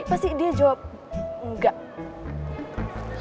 pasti dia jawab enggak